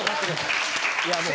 いやもう。